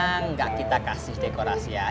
emang gak kita kasih dekorasi aja pak